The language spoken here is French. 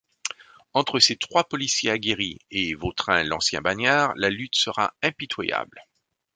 Entre ces trois policiers aguerris et Vautrin, l'ancien bagnard, la lutte sera impitoyable.